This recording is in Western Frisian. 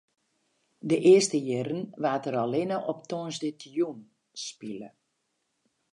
De earste jierren waard der allinne op tongersdeitejûn spile.